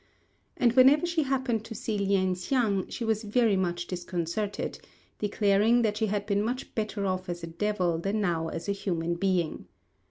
And whenever she happened to see Lien hsiang, she was very much disconcerted, declaring that she had been much better off as a devil than now as a human being.